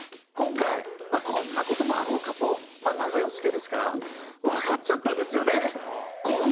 今回こんなこともあろうかとまあ長いおつきあいですから分かっちゃったんですよね。